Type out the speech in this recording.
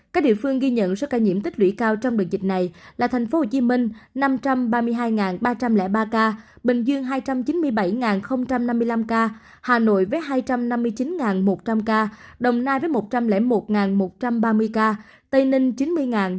các địa phương ghi nhận số ca nhiễm tích lũy cao trong đợt dịch này là tp hcm năm trăm ba mươi hai ba trăm linh ba ca bình dương hai trăm chín mươi bảy năm mươi năm ca hà nội với hai trăm năm mươi chín một trăm linh ca đồng nai với một trăm linh một một trăm ba mươi ca tây ninh chín mươi ca